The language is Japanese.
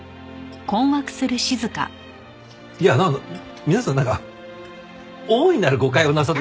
いや皆さんなんか大いなる誤解をなさって。